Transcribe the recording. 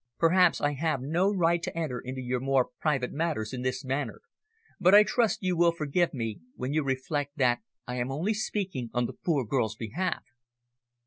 "Perhaps I have no right to enter into your more private matters in this manner, but I trust you will forgive me when you reflect that I am only speaking on the poor girl's behalf."